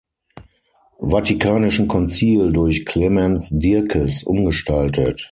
Vatikanischen Konzil durch Clemens Dierkes umgestaltet.